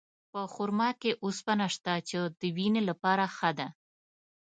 په خرما کې اوسپنه شته، چې د وینې لپاره ښه ده.